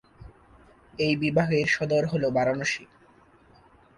এই বিভাগের সদর শহর হল বারাণসী।